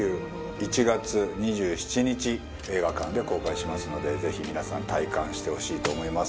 １月２７日映画館で公開しますのでぜひ皆さん体感してほしいと思います。